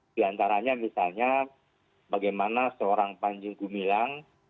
di antaranya misalnya bagaimana seorang panji gumilang